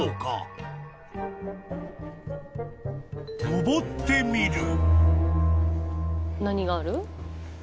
［上ってみる］